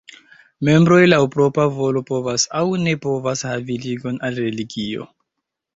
Membroj laŭ propra volo povas aŭ ne povas havi ligon al religio.